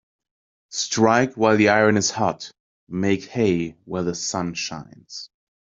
Strike while the iron is hot Make hay while the sun shines